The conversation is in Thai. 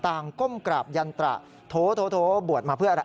ก้มกราบยันตระโทบวชมาเพื่ออะไร